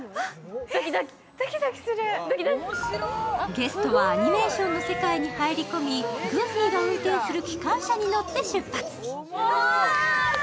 ゲストはアニメーションの世界に入り込み、グーフィーが運転する機関車に乗って出発。